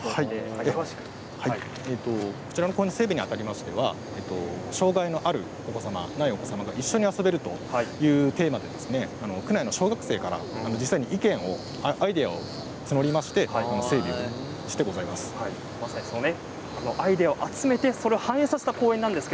こちらの整備にあたりましては障害のある皆様ないお子様も一緒に遊べるというテーマで区内の小学生から実際に意見アイデアを募りましてアイデアを集めてそれを反映させた公園です。